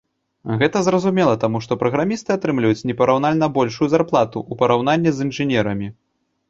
Гэта зразумела, таму што праграмісты атрымліваюць непараўнальна большую зарплату, у параўнанні з інжынерамі.